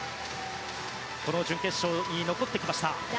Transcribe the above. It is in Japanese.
この準決勝に残ってきました。